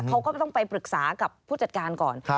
เขาก็ต้องไปปรึกษากับผู้จัดการก่อน